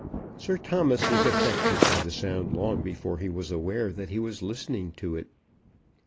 Sir Thomas was affected by the sound long before he was aware that he was listening to it.